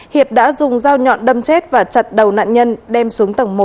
hiệp đã dùng dao nhọn đâm chết và chặt đầu nạn nhân đem xuống tầng một